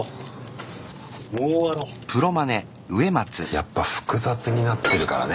やっぱ複雑になってるからね